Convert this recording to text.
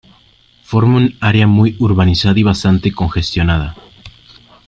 Forma un área muy urbanizada y bastante congestionada.